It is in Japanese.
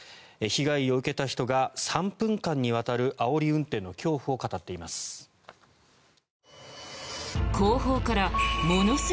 被害を受けた人が３分間にわたるあおり運転の恐怖を語っています。